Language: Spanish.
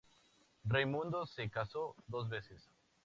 Raimundo se casó dos veces.